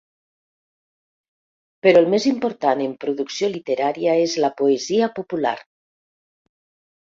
Però el més important en producció literària és la poesia popular.